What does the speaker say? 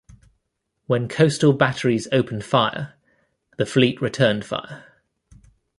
When coastal batteries opened fire, the fleet returned fire.